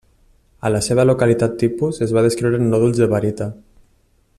A la seva localitat tipus es va descriure en nòduls de barita.